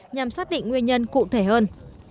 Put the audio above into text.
nhằm xác định nguyên nhân cụ thể hơn